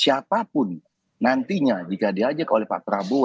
siapapun nantinya jika diajak oleh pak prabowo